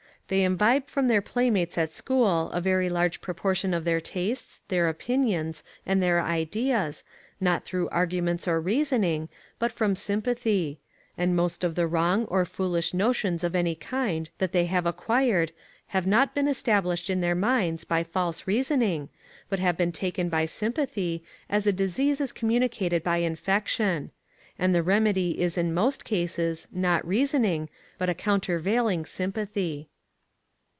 They imbibe from their playmates at school a very large proportion of their tastes, their opinions, and their ideas, not through arguments or reasoning, but from sympathy; and most of the wrong or foolish notions of any kind that they have acquired have not been established in their minds by false reasoning, but have been taken by sympathy, as a disease is communicated by infection; and the remedy is in most cases, not reasoning, but a countervailing sympathy.